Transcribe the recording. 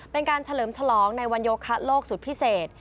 เป็นการเฉลิมฉลองในวันโยคะโลกสุดพิเศษ